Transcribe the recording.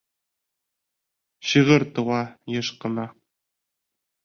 Шиғыр тыуа йыш ҡына.